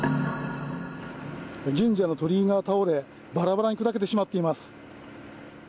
神社の鳥居が倒れバラバラに砕けてしまっています。